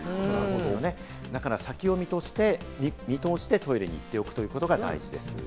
ですから先を見通して、トイレに行っておくということが大事です。